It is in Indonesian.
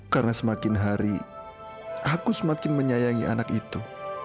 karena semakin hari aku semakin menyayangi anak itu